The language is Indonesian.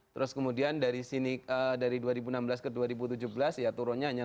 terus kemudian dari sini dari dua ribu enam belas ke dua ribu tujuh belas ya turunnya hanya satu